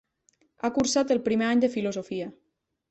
Ha cursat el primer any de filosofia.